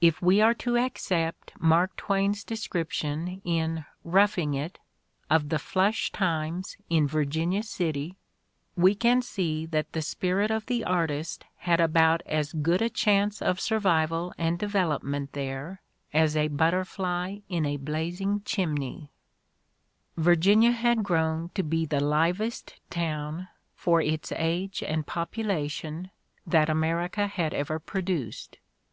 If we are to accept Mark Twain's description in "Roughing It" of the "flush times" in Virginia City, we can see that the spirit of the artist had about as good a chance of survival and development there as a butterfly in a blazing chimney: "Virginia had grown to be the 'livest' town, for its age and population, that America had ever produced.